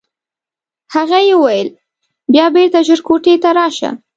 هغه یې وویل بیا بېرته ژر کوټې ته راشه.